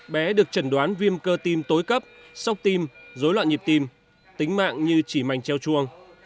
bé được trần đoán viêm cơ tim tối cấp sốc tim dối loạn nhịp tim tính mạng như chỉ mảnh treo chuông